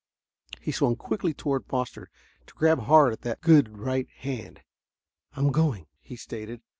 He swung quickly toward Foster, to grab hard at the good right hand. "I'm going," he stated.